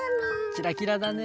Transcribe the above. キラキラだね。